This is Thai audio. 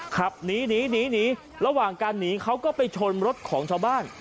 ขับหนีหนีระหว่างการหนีเขาก็ไปชนรถของชาวบ้าน